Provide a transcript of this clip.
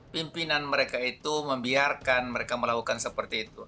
pimpinan mereka itu membiarkan mereka melakukan seperti itu